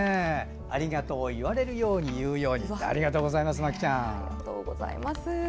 ありがとう言われるように、言うようにありがとうございます。